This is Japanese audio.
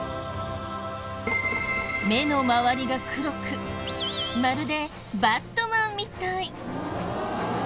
目の周りが黒くまるでバットマンみたい。